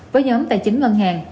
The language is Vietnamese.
với nhóm tài chính ngân hàng